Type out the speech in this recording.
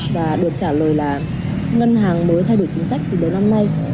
và được trả lời là ngân hàng mới thay đổi chính sách từ đầu năm nay